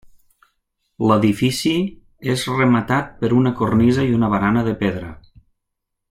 L'edifici és rematat per una cornisa i una barana de pedra.